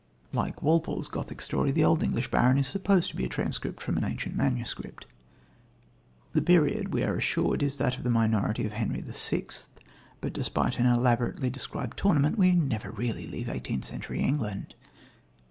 Like Walpole's Gothic story, The Old English Baron is supposed to be a transcript from an ancient manuscript. The period, we are assured, is that of the minority of Henry VI., but despite an elaborately described tournament, we never really leave eighteenth century England.